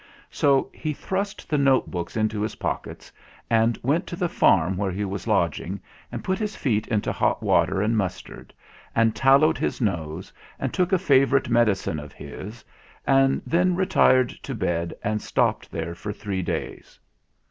So he thrust the notebooks into his pockets, and went to the farm where he was lodging, and put his feet into hot water and mustard, and tallowed his nose, and took a favourite medicine of his, and then retired to bed and stopped there for 74 THE FLINT HEART three days.